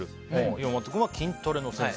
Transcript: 岩本君は筋トレの先生。